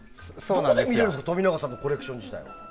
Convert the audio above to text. どこで見れるんですか冨永さんのコレクション自体。